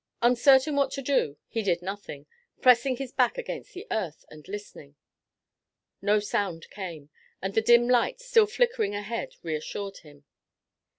Uncertain what to do he did nothing, pressing his back against the earth and listening. No sound came, and the dim light still flickering ahead reassured him.